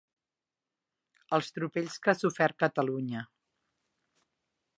Els tropells que ha sofert Catalunya.